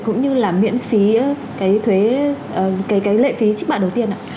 cũng như là miễn phí cái thuế cái lệ phí chức mạng đầu tiên ạ